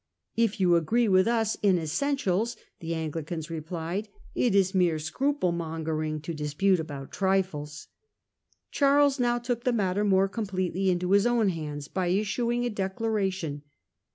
* 'If you agree with us in essentials,* the Anglicans replied, ' it is mere " scruple mongering '* to dispute about trifles.* Charles now took the matter more completely into his own hands by issuing a Declaration.